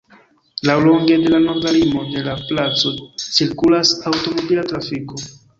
Laŭlonge de la norda limo de la placo cirkulas aŭtomobila trafiko.